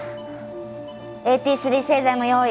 ＡＴⅢ製剤も用意！